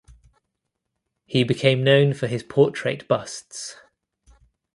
He became known for his portrait busts.